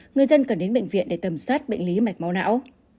người dân cần đến bệnh viện để tầm soát bệnh lý mạch máu não